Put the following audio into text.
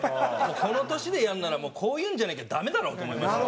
この年でやるんならもうこういうんじゃなきゃダメだろうと思いまして。